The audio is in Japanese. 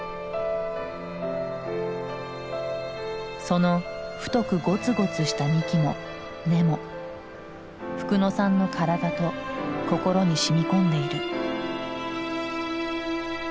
その太くゴツゴツした幹も根もフクノさんの体と心にしみこんでいる。